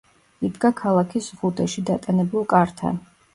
იდგა ქალაქის ზღუდეში დატანებულ კართან.